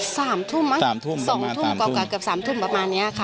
สามทุ่มมั้งสองทุ่มกว่าเกือบสามทุ่มประมาณเนี่ยค่ะ